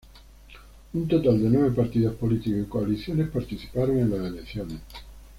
Un total de nueve partidos políticos y coaliciones participaron en las elecciones.